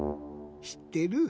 しってる？